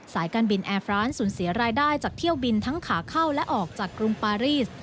การบินแอร์ฟรานสูญเสียรายได้จากเที่ยวบินทั้งขาเข้าและออกจากกรุงปารีส